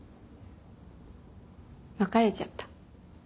別れちゃった。